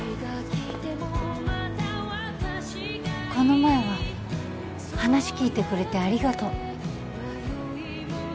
この前は話聞いてくれてありがとう